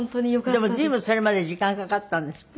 でも随分それまで時間がかかったんですって？